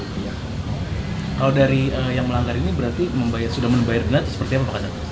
kalau dari yang melanggar ini berarti sudah membayar gelap seperti apa pak